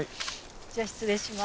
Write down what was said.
じゃあ失礼します。